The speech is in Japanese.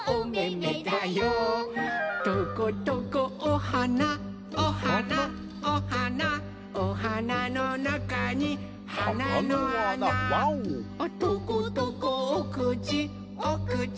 「トコトコおはなおはなおはなおはなのなかにはなのあな」「トコトコおくちおくち